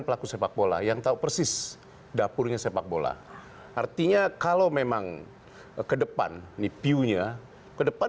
putusannya begini baru diputuskan